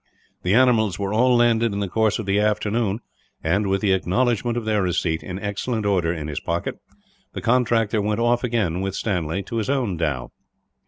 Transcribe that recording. The animals were all landed in the course of the afternoon and, with the acknowledgment of their receipt, in excellent order, in his pocket, the contractor went off again, with Stanley, to his own dhow.